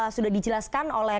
sudah dijelaskan oleh